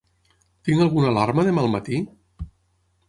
Tinc alguna alarma demà al matí?